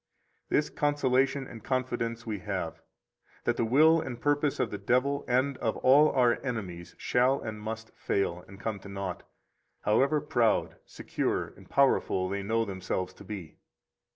70 This consolation and confidence we have, that the will and purpose of the devil and of all our enemies shall and must fail and come to naught, however proud, secure, and powerful they know themselves to be.